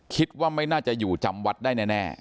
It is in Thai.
คิดว่าไม่น่าจะอยู่จำวัดได้แน่